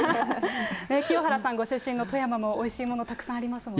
清原さん、ご出身の富山もおいしいもの、たくさんありますもんね。